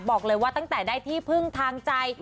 บอกเลยว่าตั้งแต่ได้ที่พึ่งทางใจ